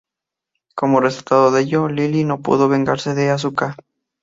Como resultado de ello, Lili no pudo vengarse de Asuka.